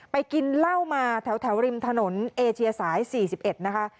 กินเหล้ามาแถวริมถนนเอเชียสาย๔๑นะคะ